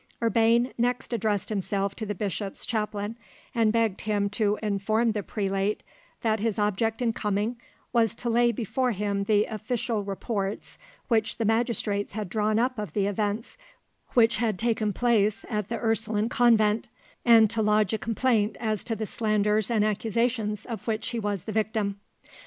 Urbain next addressed himself to the bishop's chaplain, and begged him to inform the prelate that his object in coming was to lay before him the official reports which the magistrates had drawn up of the events which had taken place at the Ursuline convent, and to lodge a complaint as to the slanders and accusations of which he was the victim.